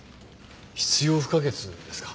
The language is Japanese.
必要不可欠ですか？